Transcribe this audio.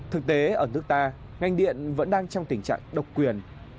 thực tế ở nước ta ngành điện vẫn đang trong tình trạng độc quyền